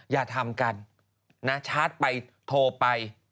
อย่าทำกันนะชาร์จไปโทรไป